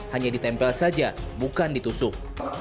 hanya ditempel saja bukan ditusuk